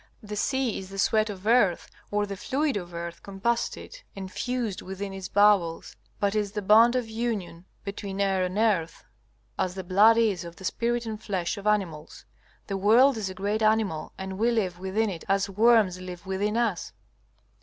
The sea is the sweat of earth, or the fluid of earth combusted, and fused within its bowels, but is the bond of union between air and earth, as the blood is of the spirit and flesh of animals. The world is a great animal, and we live within it as worms live within us.